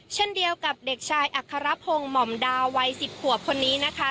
เช่นเดียวกับเด็กชายอัครพงศ์หม่อมดาววัย๑๐ขวบคนนี้นะคะ